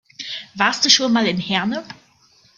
Warst du schon mal in Herne?